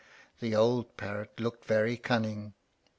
The old parrot looked very cunning.